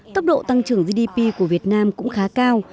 tốc độ tăng trưởng gdp của việt nam cũng khá cao